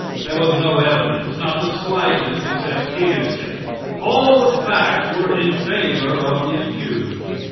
There was no evidence, not the slightest, except hearsay. All the facts were in favor of the accused.